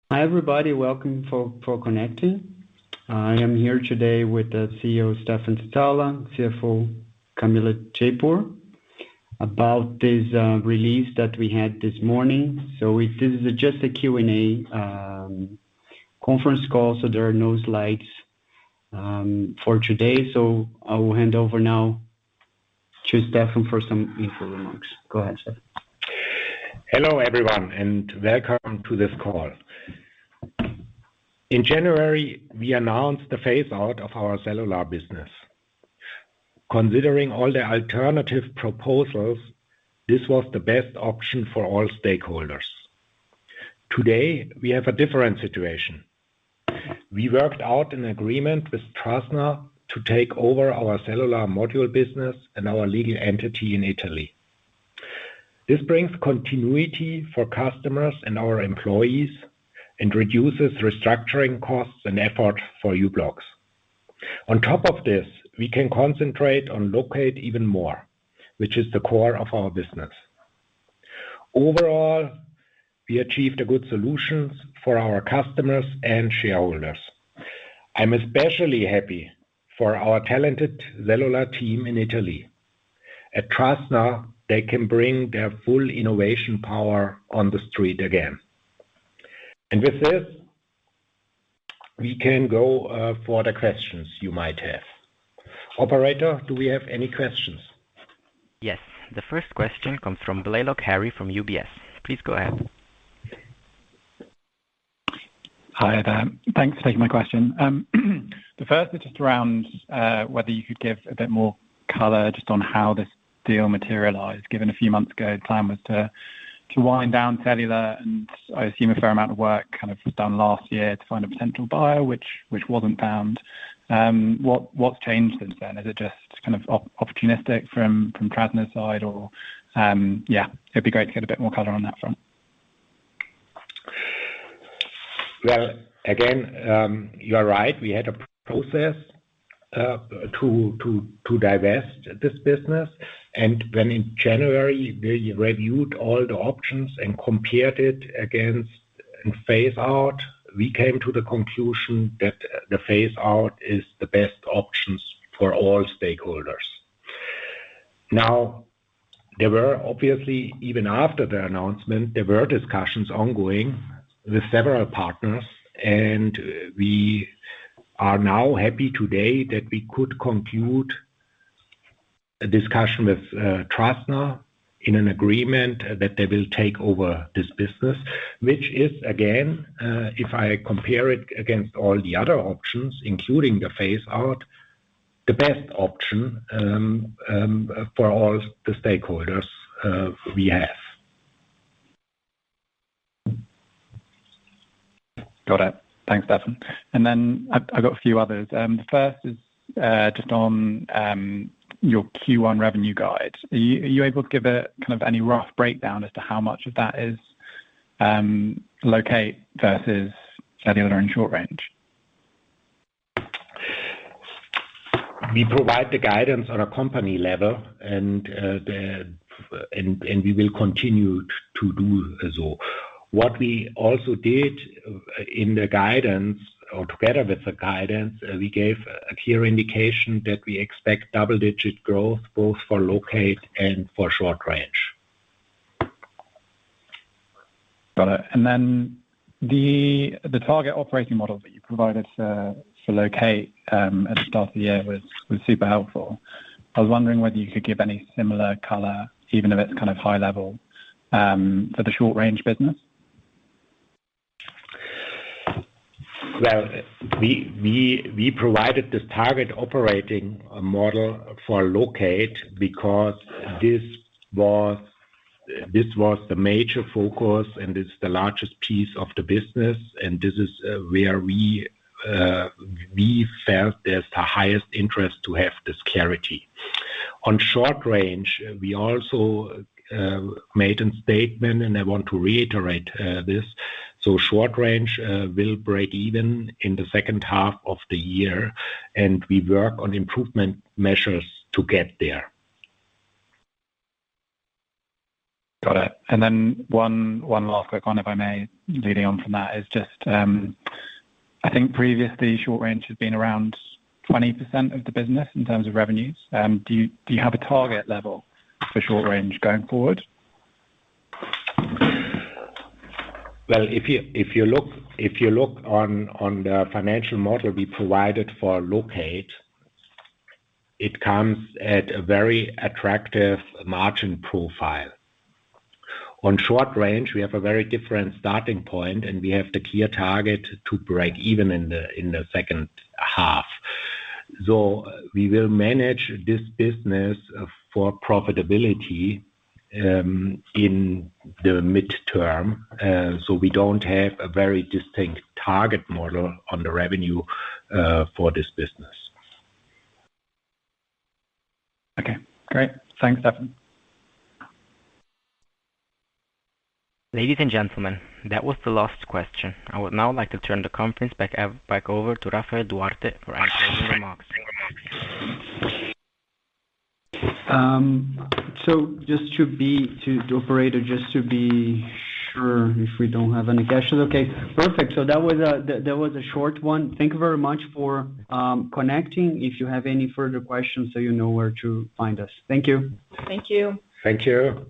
Hi, everybody. Welcome for connecting. I am here today with the CEO, Stephan Zizala, CFO, Camila Japur, about this release that we had this morning. This is just a Q&A conference call, so there are no slides for today. I will hand over now to Stephan for some intro remarks. Go ahead, Stephan. Hello, everyone, and welcome to this call. In January, we announced the phase-out of our cellular business. Considering all the alternative proposals, this was the best option for all stakeholders. Today, we have a different situation. We worked out an agreement with Trasna to take over our cellular module business and our legal entity in Italy. This brings continuity for customers and our employees and reduces restructuring costs and effort for u-blox. On top of this, we can concentrate on Locate even more, which is the core of our business. Overall, we achieved good solutions for our customers and shareholders. I'm especially happy for our talented cellular team in Italy. At Trasna, they can bring their full innovation power on the street again. With this, we can go, for the questions you might have. Operator, do we have any questions? Yes. The first question comes from Harry Blaiklock from UBS. Please go ahead. Hi, there. Thanks for taking my question. The first is just around whether you could give a bit more color just on how this deal materialized. Given a few months ago, the plan was to wind down cellular, and I assume a fair amount of work kind of was done last year to find a potential buyer, which was not found. What has changed since then? Is it just kind of opportunistic from Trasna's side, or, yeah, it would be great to get a bit more color on that front? You are right. We had a process to divest this business. When in January, we reviewed all the options and compared it against phase-out, we came to the conclusion that the phase-out is the best option for all stakeholders. There were obviously, even after the announcement, discussions ongoing with several partners, and we are now happy today that we could conclude a discussion with Trasna in an agreement that they will take over this business, which is, again, if I compare it against all the other options, including the phase-out, the best option for all the stakeholders we have. Got it. Thanks, Stephan. I got a few others. The first is, just on your Q1 revenue guide. Are you able to give a kind of any rough breakdown as to how much of that is Locate versus cellular and Short Range? We provide the guidance on a company level, and we will continue to do so. What we also did in the guidance, or together with the guidance, we gave a clear indication that we expect double-digit growth both for Locate and for Short Range. Got it. The target operating model that you provided for Locate at the start of the year was super helpful. I was wondering whether you could give any similar color, even if it's kind of high level, for the short-range business. We provided this target operating model for Locate because this was the major focus, and this is the largest piece of the business, and this is where we felt there's the highest interest to have this clarity. On Short Range, we also made a statement, and I want to reiterate this. Short Range will break even in the second half of the year, and we work on improvement measures to get there. Got it. One last quick one, if I may, leading on from that, is just, I think previously Short Range has been around 20% of the business in terms of revenues. Do you have a target level for Short Range going forward? If you look on the financial model we provided for Locate, it comes at a very attractive margin profile. On Short Range, we have a very different starting point, and we have the clear target to break even in the second half. We will manage this business for profitability, in the midterm, so we do not have a very distinct target model on the revenue for this business. Okay. Great. Thanks, Stephan. Ladies and gentlemen, that was the last question. I would now like to turn the conference back over to Rafael Duarte for any closing remarks. Just to be sure if we don't have any questions. Okay. Perfect. That was a short one. Thank you very much for connecting. If you have any further questions, you know where to find us. Thank you. Thank you. Thank you.